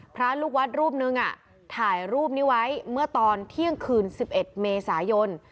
พระลูกวัดรูปนึงถ่ายรูปนี้ไว้เมื่อตอนเที่ยงคืน๑๑เมษายน